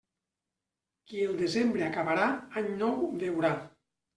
Qui el desembre acabarà, any nou veurà.